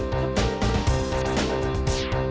tapi ini luar biasa kan